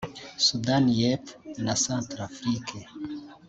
SudanI y’Epfo na Centrafrique